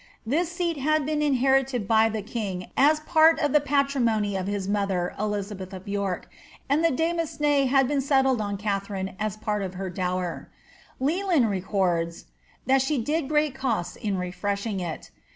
This seat had been inherited by the king as part of the patrimony of his mother, Elizabeth of York, and the demesne had been settled on Katharine as part of her dower. Leland records, ^ that she did great costs in refreshing it."